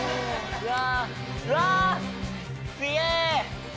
うわ！